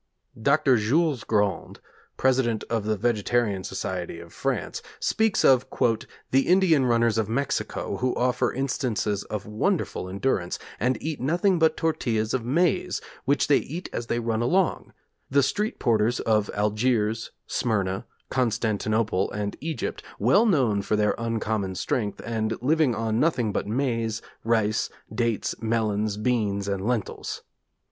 Dr. Jules Grand, President of the Vegetarian Society of France speaks of 'the Indian runners of Mexico, who offer instances of wonderful endurance, and eat nothing but tortillas of maize, which they eat as they run along; the street porters of Algiers, Smyrna, Constantinople and Egypt, well known for their uncommon strength, and living on nothing but maize, rice, dates, melons, beans, and lentils.